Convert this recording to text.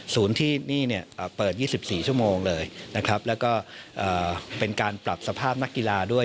ที่นี่เนี่ยเปิด๒๔ชั่วโมงเลยนะครับแล้วก็เป็นการปรับสภาพนักกีฬาด้วย